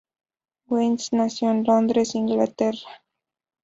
Weisz nació en Londres, Inglaterra.